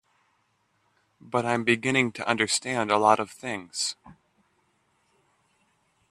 But I'm beginning to understand a lot of things.